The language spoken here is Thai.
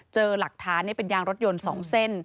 เจอหลักฐานเป็นยางรถยนต์๒เส้น